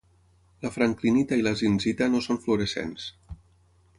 La franklinita i la zincita no són fluorescents.